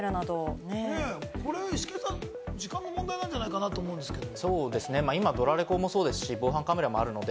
これイシケンさん、時間の問題なんじゃないかと思うんですけど。